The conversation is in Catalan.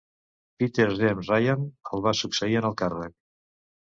Peter James Ryan el va succeir en el càrrec.